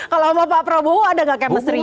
kalau sama pak prabowo ada gak kemestrinya